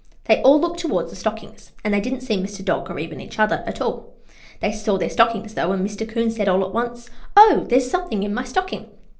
They all looked toward the stockings, and they didn't see Mr. Dog, or even each other, at all. They saw their stockings, though, and Mr. 'Coon said all at once: "Oh, there's something in my stocking!"